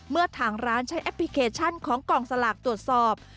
ทางร้านใช้แอปพลิเคชันของกองสลากตรวจสอบ